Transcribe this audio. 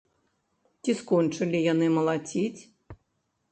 Ці скончылі яны малаціць?